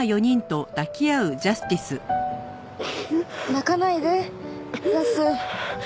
泣かないでジャス。